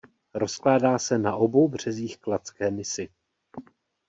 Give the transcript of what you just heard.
Rozkládá se na obou březích Kladské Nisy.